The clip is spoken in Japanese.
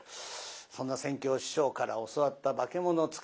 そんな扇橋師匠から教わった「化物使い」。